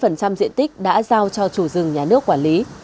trong số này trên tám mươi diện tích đã giao cho chủ rừng nhà nước quản lý